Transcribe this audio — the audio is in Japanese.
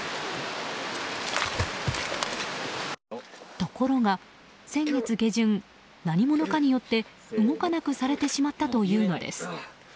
ところが、先月下旬何者かによって動かなくされてしまったというのです。